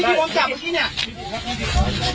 พระอาหารยังติดยานไว้ธรรมนี้